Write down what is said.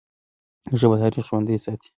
ژبه تاریخ ژوندی ساتي.